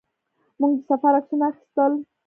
موږ د سفر عکسونه اخیستل.